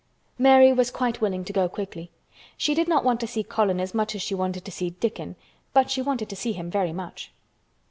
Mary was quite willing to go quickly. She did not want to see Colin as much as she wanted to see Dickon; but she wanted to see him very much.